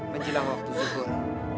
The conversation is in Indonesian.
menjelang waktu suhur